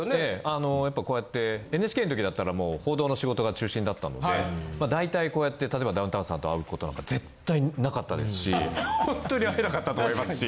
あのやっぱこうやってＮＨＫのときだったらもう報道の仕事が中心だったので大体こうやって例えばダウンタウンさんと会う事なんか絶対なかったですしほんとに会えなかったと思いますし。